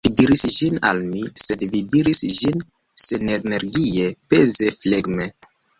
Vi diris ĝin al mi; sed vi diris ĝin senenergie, peze, flegme.